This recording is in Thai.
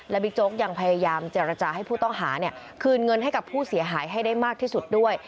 บิ๊กโจ๊กยังพยายามเจรจาให้ผู้ต้องหาคืนเงินให้กับผู้เสียหายให้ได้มากที่สุดด้วย